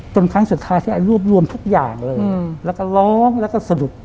ครั้งสุดท้ายที่ไอ้รวบรวมทุกอย่างเลยแล้วก็ร้องแล้วก็สะดุด